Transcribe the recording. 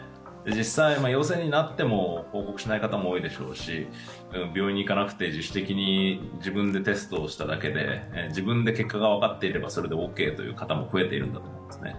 実際、陽性になっても報告しない方も多いでしょうし病院に行かなくて、自主的に自分でテストをしただけで自分で結果が分かっていれば、それでオーケーという方も増えているんだと思うんですね。